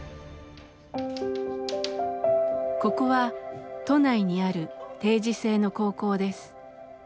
ここは都内にある定時制の高校です。